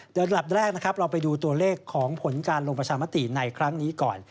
โดยอันดับแรกนะครับเราไปดูตัวเลขของผลการลงประชามติในครั้งนี้ก่อน